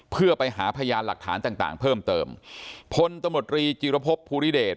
เพื่อไปหาพยานหลักฐานต่างต่างเพิ่มเติมพลตมตรีจิรพบภูริเดช